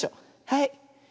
はい。